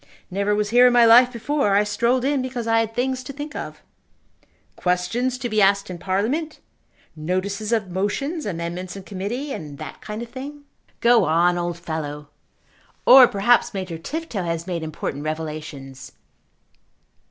"Never was here in my life before. I strolled in because I had things to think of." "Questions to be asked in Parliament? Notices of motions, Amendments in Committee, and that kind of thing?" "Go on, old fellow." "Or perhaps Major Tifto has made important revelations."